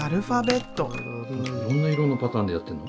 いろんな色のパターンでやってんの？